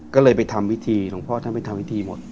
ก็เลยไปทำวิธีหลวงพ่อท่านไปทำพิธีหมด